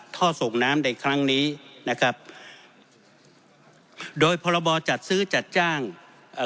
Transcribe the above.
ท่อส่งน้ำในครั้งนี้นะครับโดยพรบจัดซื้อจัดจ้างเอ่อ